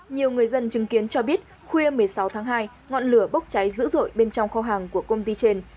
nhiều người dân chứng kiến cho biết khuya một mươi sáu tháng hai ngọn lửa bốc cháy dữ dội bên trong kho hàng của công ty trên